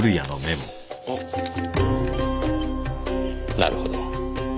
なるほど。